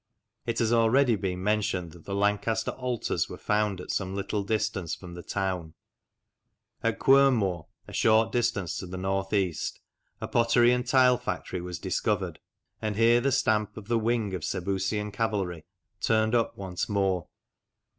It has already been mentioned that the Lancaster altars were found at some little distance from the town. At Quernmore, a short distance to the north east, a pottery and tile factory was discovered, and here the stamp of the " wing " of Sebusian cavalry turned up once more.